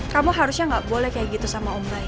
kamu harusnya gak boleh kayak gitu sama om lain